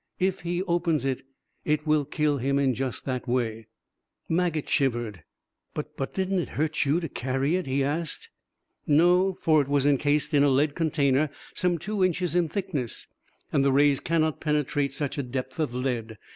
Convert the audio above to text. If he opens it, it will kill him in just that way." Maget shivered. "But but didn't it hurt you to carry it?" he asked. "No. For it was incased in a lead container some two inches in thickness, and the rays cannot penetrate such a depth of lead.